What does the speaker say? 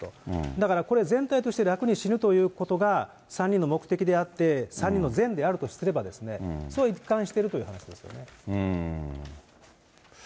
だからこれ、全体として楽に死ぬということが３人の目的であって、３人のぜんであるとすれば、それは一貫しているという話ですよね。